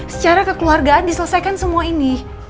secara kekeluargaan diselesaikan semua ini